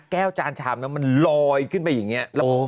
แก้วจานชามมันลอยขึ้นไปอย่างเงี้ย